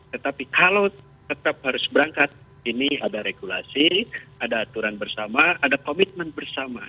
tetapi kalau tetap harus berangkat ini ada regulasi ada aturan bersama ada komitmen bersama